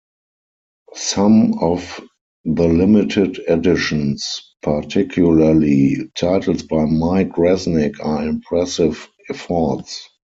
Some of the limited editions, particularly titles by Mike Resnick, are impressive efforts.